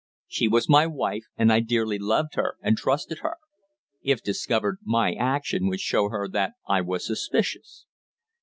She was my wife, and I dearly loved her and trusted her. If discovered, my action would show her that I was suspicious.